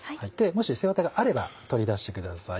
もし背ワタがあれば取り出してください。